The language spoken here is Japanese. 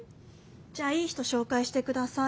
じゃあいい人紹介して下さい。